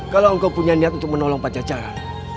kalau kau punya niat untuk menolong pajajara